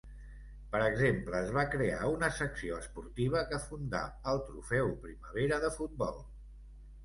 Per exemple es va crear una secció esportiva que fundà el Trofeu Primavera de futbol.